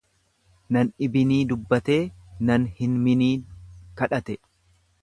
Nan dhibinii dubbatee nan hinminii kadhate.